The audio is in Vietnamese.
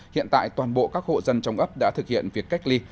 hiện tại toàn bộ các hộ dân trong ấp đã thực hiện việc cách ly